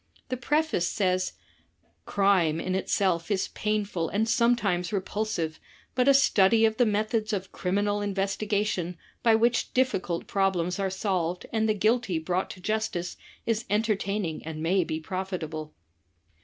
The preface says, "Crime in itself, is painful and sometimes repulsive, but a study of the methods of criminal investigation by which difficult problems are solved and the guilty brought to justice is entertaining and may be profitable."